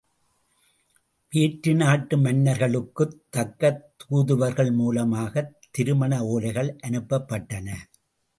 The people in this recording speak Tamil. வேற்று நாட்டு மன்னர்களுக்குத் தக்க தூதுவர்கள் மூலமாகத் திருமண ஒலைகள் அனுப்பப்பட்டன.